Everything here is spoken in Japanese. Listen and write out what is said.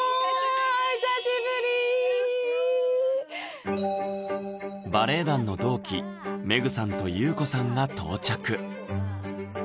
久しぶりバレエ団の同期めぐさんとゆうこさんが到着